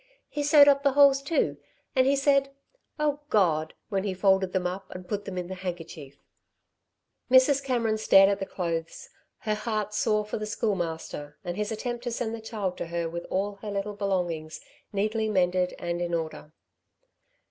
He sewed up the holes, too. And he said 'O God!' when he folded them up and put them in the handkerchief." Mrs. Cameron stared at the clothes, her heart sore for the Schoolmaster and his attempt to send the child to her with all her little belongings neatly mended and in order.